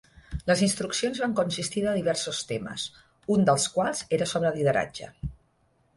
Les Instruccions van consistir de diversos temes, un dels quals era sobre el lideratge.